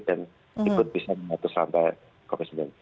dan ikut bisa menatuh sampai covid sembilan belas